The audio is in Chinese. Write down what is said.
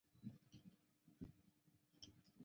随后贬为麟山驿丞。